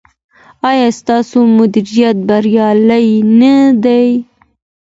ایا ستاسو مدیریت بریالی نه دی؟